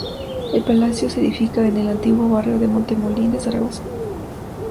El palacio se edifica en el antiguo barrio de Montemolín de Zaragoza.